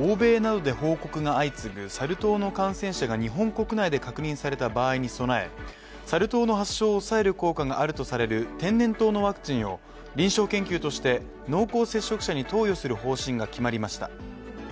欧米などで報告などが相次ぐサル痘の感染者が日本国内で確認された場合に備えサル痘の発症を抑える効果があるとされる天然痘のワクチンを臨床研究として濃厚接触者に投与する方針が決まりました。